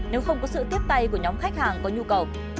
nếu không có sự tiếp tay của nhóm khách hàng có nhu cầu